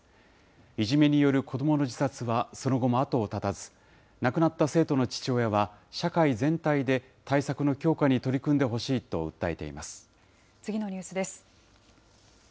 いじめによる子どもの自殺はその後も後を絶たず、亡くなった生徒の父親は、社会全体で対策の強化に取り組んでほしいと訴えていま次のニュースです。